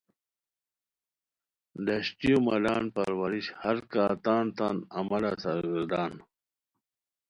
ڈاشٹیو مالان پرورش ہر کا تان تان امالہ سرگردان